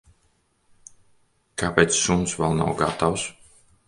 Kāpēc suns vēl nav gatavs?